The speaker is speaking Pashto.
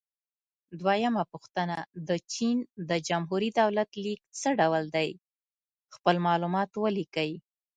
دویمه پوښتنه: د چین د جمهوري دولت لیک څه ډول دی؟ خپل معلومات ولیکئ.